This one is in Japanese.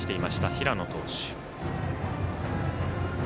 平野投手。